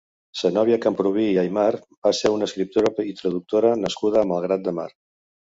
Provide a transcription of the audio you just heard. Zenòbia Camprubí i Aymar va ser una escriptora i traductora nascuda a Malgrat de Mar.